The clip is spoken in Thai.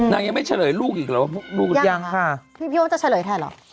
นางยังไม่เฉลยลูกอีกหรอลูกพี่โอ๊ยจะเฉลยแทนหรอ